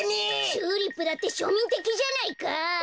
チューリップだってしょみんてきじゃないか！